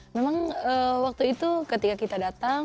memang waktu itu ketika kita datang